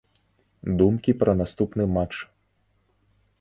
Думкі пра наступны матч.